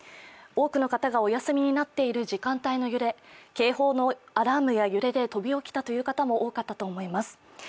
多くの方がお休みなっている時間帯の揺れ、警報のアラームや揺れで飛び起きたという方も多かったと思います。